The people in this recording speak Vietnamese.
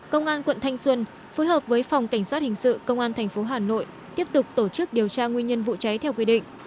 công an quận thanh xuân phối hợp với phòng cảnh sát hình sự công an tp hà nội tiếp tục tổ chức điều tra nguyên nhân vụ cháy theo quy định